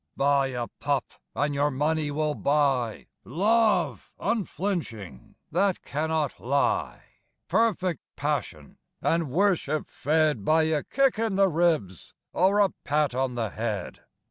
Buy a pup and your money will buy Love unflinching that cannot lie Perfect passion and worship fed By a kick in the ribs or a pat on the head.